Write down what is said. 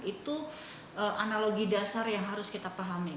itu analogi dasar yang harus kita pahami